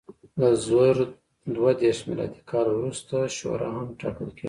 له زر دوه دېرش میلادي کال وروسته شورا هم ټاکل کېده.